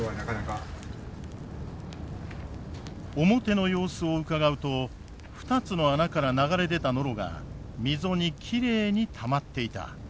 表の様子をうかがうと２つの穴から流れ出たノロが溝にきれいにたまっていた。